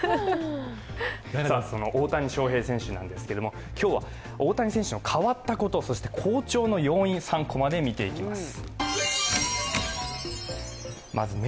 大谷翔平選手ですが今日は大谷選手の変わったことそして好調の要因を３コマで見ていきます。